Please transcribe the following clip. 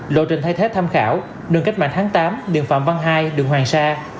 lộ trình thay thế tham khảo đường cách mạng tháng tám đường phạm văn hai đường hoàng sa